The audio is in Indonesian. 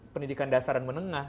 pendidikan dasar dan menengah